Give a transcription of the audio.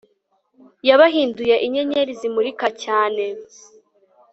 Yabahinduye inyenyeri zimurika cyane